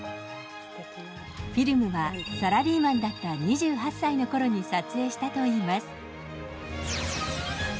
フィルムはサラリーマンだった２８歳のころに撮影したといいます。